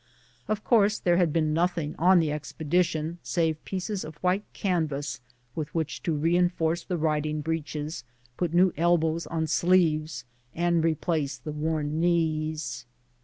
Of course there had been nothing on the expedi tion save pieces of white canvas with which to rein force the riding breeches, put new elbows on sleeves, and replace the worn knees.